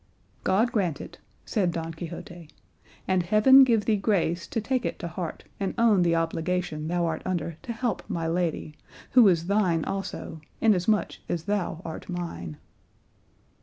"God grant it," said Don Quixote; "and heaven give thee grace to take it to heart and own the obligation thou art under to help my lady, who is thine also, inasmuch as thou art mine."